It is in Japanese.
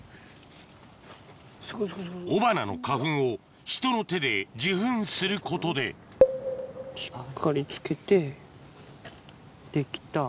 雄花の花粉を人の手で受粉することでしっかり付けてできた。